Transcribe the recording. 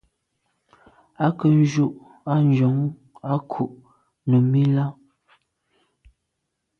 À ke njù à njon à ku’ num i là.